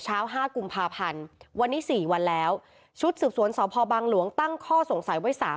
ห้ากุมภาพันธ์วันนี้สี่วันแล้วชุดสืบสวนสพบังหลวงตั้งข้อสงสัยไว้สาม